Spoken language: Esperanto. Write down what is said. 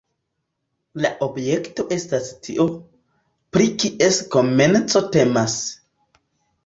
La objekto estas tio, pri kies komenco temas.